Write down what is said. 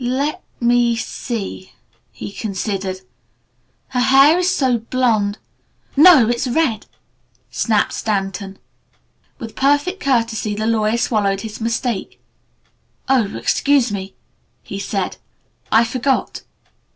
"Let me see" he considered. "Her hair is so blond " "No, it's red!" snapped Stanton. With perfect courtesy the lawyer swallowed his mistake. "Oh, excuse me," he said. "I forgot.